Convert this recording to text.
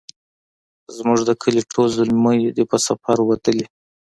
زموږ د کلې ټول زلمي دی په سفر وتلي